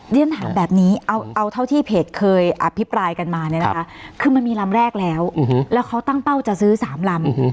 เรียนถามแบบนี้เอาเท่าที่เพจเคยอภิปรายกันมาเนี่ยนะคะคือมันมีลำแรกแล้วแล้วเขาตั้งเป้าจะซื้อ๓ลำ